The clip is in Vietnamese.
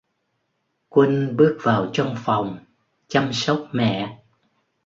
Quân bước vào trong phòng chăm sóc mẹ